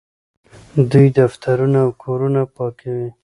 دوی دفترونه او کورونه پاکوي.